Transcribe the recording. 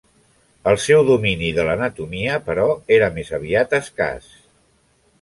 El seu domini de l'anatomia, però, era més aviat escàs.